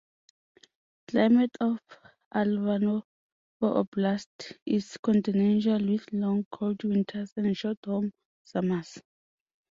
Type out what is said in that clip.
Climate of Ivanovo Oblast is continental, with long, cold winters, and short, warm summers.